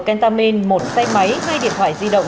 kentamin một xe máy hai điện thoại di động